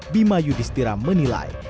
bima yudhistira menilai